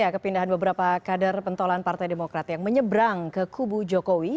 kepindahan beberapa kader pentolan partai demokrat yang menyeberang ke kubu jokowi